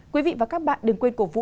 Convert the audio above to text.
quý vị và các bạn đừng quên cổ vũ